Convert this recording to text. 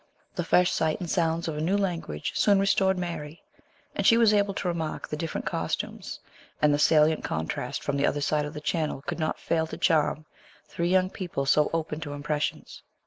The fresh sights and sounds of a new language soon restored Mary, and she was able to remark the different costumes ; and the salient contrast from the other side of the Channel could not fail to charm three young people so open to impressions.